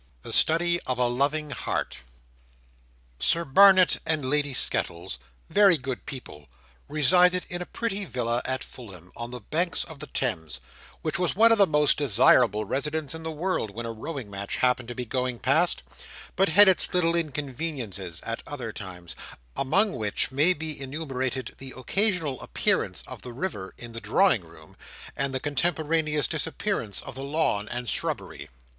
The Study of a Loving Heart Sir Barnet and Lady Skettles, very good people, resided in a pretty villa at Fulham, on the banks of the Thames; which was one of the most desirable residences in the world when a rowing match happened to be going past, but had its little inconveniences at other times, among which may be enumerated the occasional appearance of the river in the drawing room, and the contemporaneous disappearance of the lawn and shrubbery.